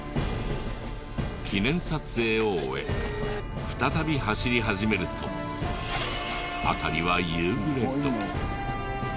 記念撮影を終え再び走り始めると辺りは夕暮れ時。